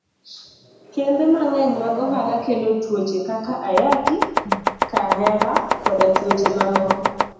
Kembe mang'eny mag ohala kelo tuoche kaka ayaki, kahera, koda tuoche mamoko.